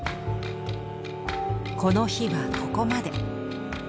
この日はここまで。